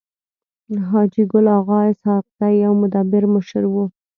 حاجي ګل اغا اسحق زی يو مدبر مشر وو.